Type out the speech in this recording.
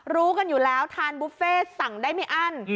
รู้กันอยู่แล้วทานบุฟเฟ่สั่งได้ไม่อั้น